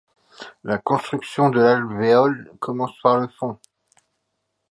La construction de l’alvéole commence par le fond.